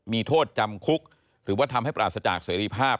มีโทษจำคุกหรือว่าทำให้ปราศจากเสรีภาพ